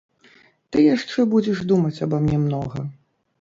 Ты яшчэ будзеш думаць аба мне многа.